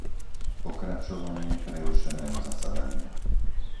Pokračovanie prerušeného zasadania